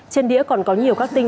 trên đĩa còn có nhiều các tin